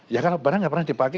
ya karena barang gak pernah dipakai